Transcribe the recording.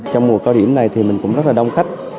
trong mùa cao điểm này thì mình cũng rất là đông khách